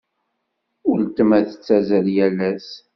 Weltma tettazzal yal ass.